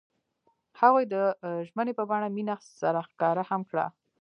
هغوی د ژمنې په بڼه مینه سره ښکاره هم کړه.